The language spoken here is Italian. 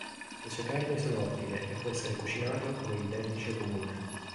Le sue carni sono ottime e può essere cucinato come il dentice comune.